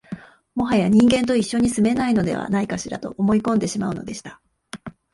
もはや人間と一緒に住めないのではないかしら、と思い込んでしまうのでした